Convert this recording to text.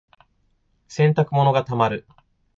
洗濯物が溜まる。